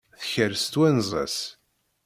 Tekres twenza-s.